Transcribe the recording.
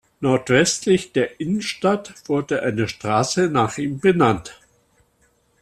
Nordwestlich der Innenstadt wurde eine Straße nach ihm benannt.